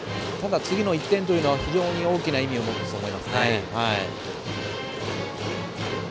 次の１点というのは非常に大きな意味を持つと思います。